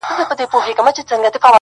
لاس دي رانه کړ اوبو چي ډوبولم -